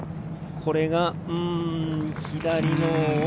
これが左の奥。